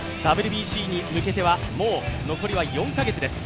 ＷＢＣに向けてはもう、残りは４か月です。